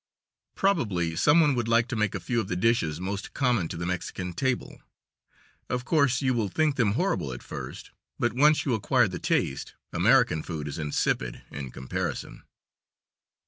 Probably some one would like to make a few of the dishes most common to the Mexican table. Of course you will think them horrible at first, but once you acquire the taste, American food is insipid in comparison.